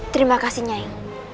terima kasih nyai